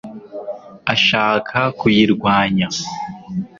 ashaka kuyirwanya